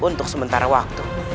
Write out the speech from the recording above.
dan untuk sementara waktu